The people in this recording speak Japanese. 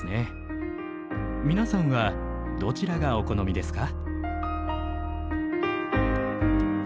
皆さんはどちらがお好みですか？